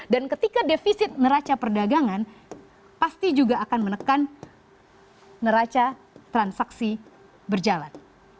dan ketika defisit raca perdagangan pasti juga akan menekan raca transaksi berjalan